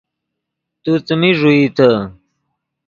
تو څیمین ݱوئیتے